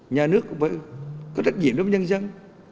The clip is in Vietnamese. nhà nước cũng phải có trách nhiệm đối với nhân dân